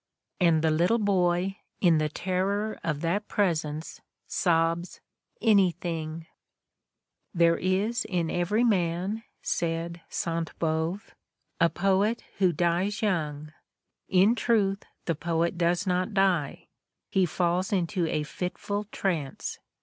. And the little boy, in the terror of that presence, sobs: "Anything!" v/ 42 The Ordeal of Mark Twain "There is in every man," said Sainte Beuve, "a poet who dies young." In truth, the poet does not diej he falls into a fitful trance.